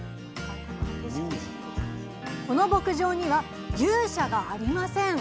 この牧場には牛舎がありません。